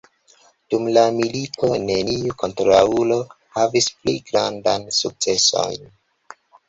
Dum la milito neniu kontraŭulo havis pli grandaj sukcesojn.